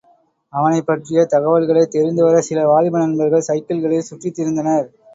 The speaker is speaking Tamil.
அவனைப் பற்றிய தகவல்களைத் தெரிந்துவரச் சில வாலிப நண்பர்கள் சைக்கிள்களில் சுற்றித் திரிந்தனர்.